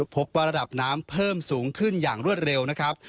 พบว่าระดับน้ำเพิ่มสูงขึ้นอย่างรวดเร็วนะครับ